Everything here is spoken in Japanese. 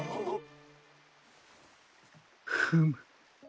フム。